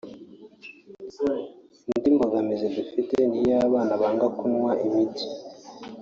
Indi mbogazi dufite ni iy’abana banga kunywa imiti